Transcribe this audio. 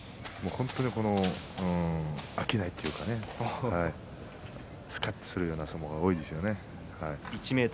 本当に負けないというかすかっとするような相撲が多いですよ。